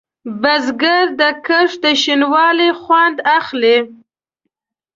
بزګر د کښت د شین والي خوند اخلي